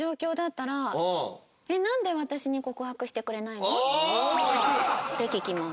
「なんで私に告白してくれないの？」って聞きます。